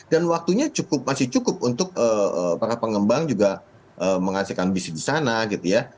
dan waktunya cukup masih cukup untuk para pengembang juga menghasilkan bisnis di sana gitu ya